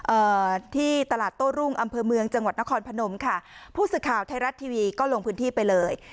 เอ่อที่ตลาดโต้รุ่งอำเภอเมืองจังหวัดนครพนมค่ะผู้สื่อข่าวไทยรัฐทีวีก็ลงพื้นที่ไปเลย